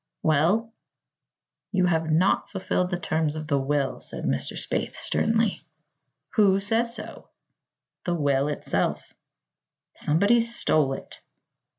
"Well?" "You have not fulfilled the terms of the will," said Mr. Spaythe sternly. "Who says so?" "The will itself." "Somebody stole it."